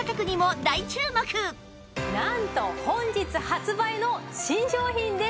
なんと本日発売の新商品です！